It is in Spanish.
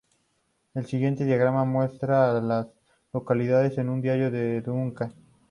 El siguiente diagrama muestra a las localidades en un radio de de Duncan.